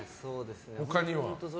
他には？